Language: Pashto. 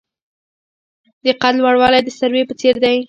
د قد لوړوالی د سروې په څیر دی.